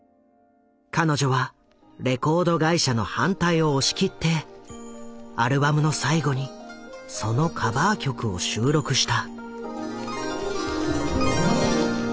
彼女はレコード会社の反対を押し切ってアルバムの最後にそのカバー曲を収録した。